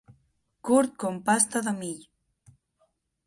Curt com pasta de mill.